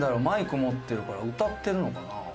マイク持ってるから歌ってるのかな？」。